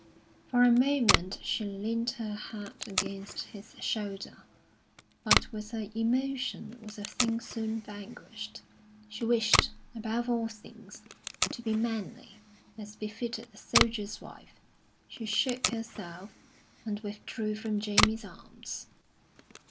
For a moment she leant her head against his shoulder; but with her emotion was a thing soon vanquished. She wished, above all things, to be manly, as befitted a soldier's wife. She shook herself, and withdrew from Jamie's arms.